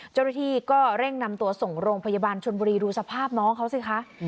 เจ้าหน้าที่ก็เร่งนำตัวส่งโรงพยาบาลชนบุรีดูสภาพน้องเขาสิคะ